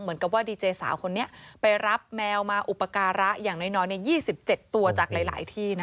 เหมือนกับว่าดีเจสาวคนนี้ไปรับแมวมาอุปการะอย่างน้อย๒๗ตัวจากหลายที่นะ